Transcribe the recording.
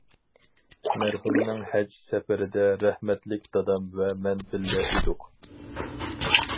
مەرھۇمنىڭ ھەج سەپىرىدە رەھمەتلىك دادام ۋە مەن بىللە ئىدۇق.